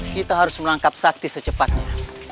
kita harus menangkap sakti secepatnya